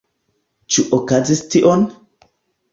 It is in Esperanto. Ĉu okazis tio?